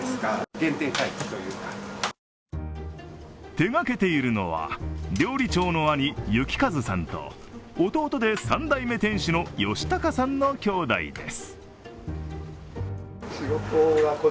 手がけているのは料理長の兄、幸和さんと弟で３代目店主の善隆さんの兄弟です。